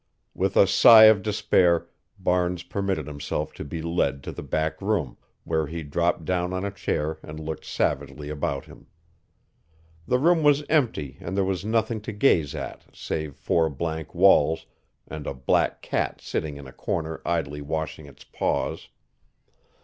With a sigh of despair Barnes permitted himself to be led to the back room, where he dropped down on a chair and looked savagely about him. The room was empty and there was nothing to gaze at save four blank walls and a black cat sitting in a corner idly washing its paws.